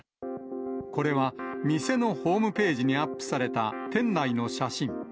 これは店のホームページにアップされた店内の写真。